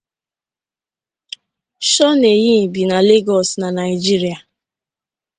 Shoneyin bi na Lagos na Naigeria.